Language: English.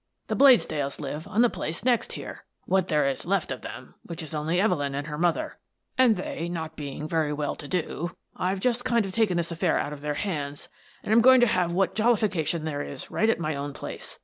The Blades dells live on the place next here, — what there is left of them, which is only Evelyn and her mother, — and they not being very well to do, I've just kind of taken this affair out of their hands and am going to have what jollification there is right at my own place.